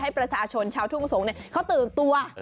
ให้ประชาชนชาวทุ่งสงศ์เขาตื่นตัว